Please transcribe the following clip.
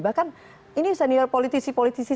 bahkan ini politisi politisi